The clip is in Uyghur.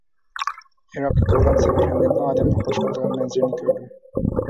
ئىراققا قىلغان سەپىرىمدىن ئادەمنى خوش قىلىدىغان مەنزىرىنى كۆردۈم.